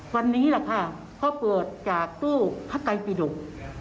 วันนี้แหละค่ะเพราะปวดจากตู้ภาคไกรปิดุก